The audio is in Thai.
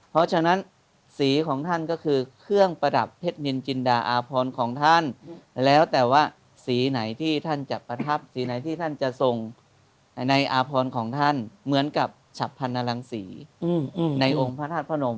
เพราะฉะนั้นสีของท่านก็คือเครื่องประดับเพชรนินจินดาอาพรของท่านแล้วแต่ว่าสีไหนที่ท่านจะประทับสีไหนที่ท่านจะทรงในอาพรของท่านเหมือนกับฉับพันอรังศรีในองค์พระธาตุพระนม